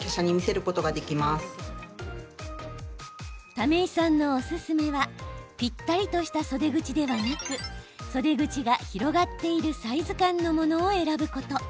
為井さんのおすすめはぴったりとした袖口ではなく袖口が広がっているサイズ感のものを選ぶこと。